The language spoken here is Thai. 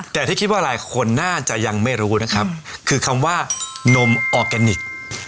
แต่ที่คิดว่าหลายคนน่าจะยังไม่รู้นะครับคือคำว่านมออร์แกนิค